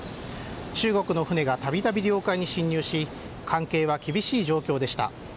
中国の船がたびたび領海に侵入し関係は厳しい状況でした。